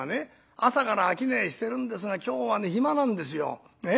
朝から商いしてるんですが今日はね暇なんですよええ。